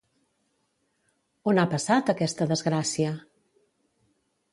On ha passat, aquesta desgràcia?